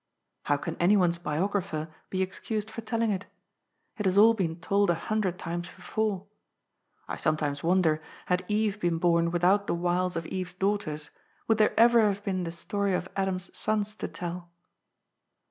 How can anyone's bi ographer be excused for telling it? It has all been told a hundred times before. I sometimes wonder, had Eve been bom without the wiles of Eve's daughters, would there ever have been the story of Adam's sons to tell